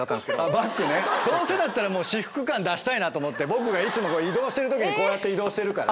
バッグねどうせだったら私服感出したいなと思って僕がいつも移動してる時にこうやって移動してるから。